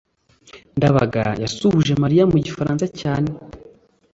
ndabaga yasuhuje mariya mu gifaransa cyane